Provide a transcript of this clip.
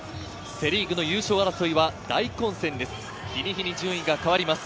セ・リーグの優勝争いは大混戦です。